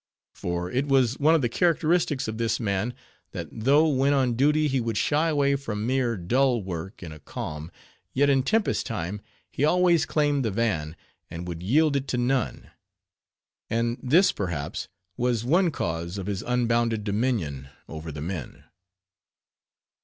For it was one of the characteristics of this man, that though when on duty he would shy away from mere dull work in a calm, yet in tempest time he always claimed the van, and would yield it to none; and this, perhaps, was one cause of his unbounded dominion over the men.